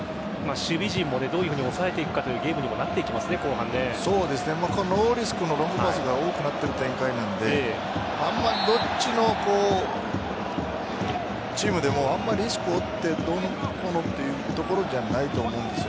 守備陣もどういうふうに抑えていくかというゲームにもノーリスクのロングパスが多くなっている展開なのでどっちのチームでもリスクを負ってどうのこうのというところじゃないと思います。